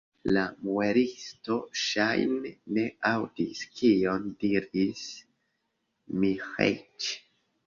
La muelisto, ŝajne, ne aŭdis, kion diris Miĥeiĉ.